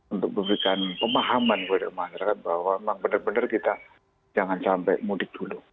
untuk memberikan pemahaman kepada masyarakat bahwa memang benar benar kita jangan sampai mudik dulu